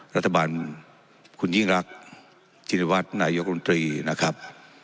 รัฐบาลคุณยิ่งรักชินวัฒน์นายกรมตรีนะครับ